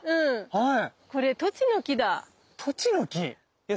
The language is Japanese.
はい。